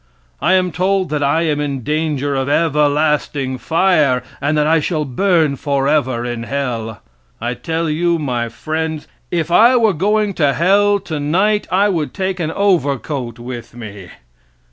I am told that I am in danger of everlasting fire, and that I shall burn forever in hell: I tell you, my friends, if I were going to hell tonight I would take an overcoat with me.